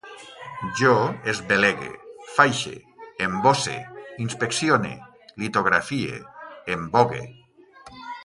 Jo esbelegue, faixe, emboce, inspeccione, litografie, embogue